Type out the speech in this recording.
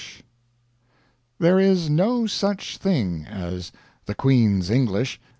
There is no such thing as "the Queen's English."